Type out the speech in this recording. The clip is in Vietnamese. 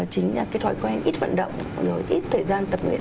chính là cái thói quen ít vận động rồi ít thời gian tập luyện